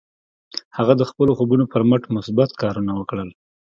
هغه د خپلو خوبونو پر مټ مثبت کارونه وکړل